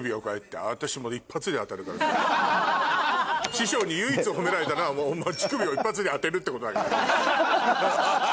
師匠に唯一褒められたのは乳首を一発で当てるってこと。